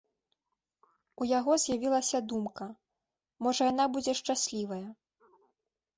У яго з'явілася думка, можа яна будзе шчаслівая.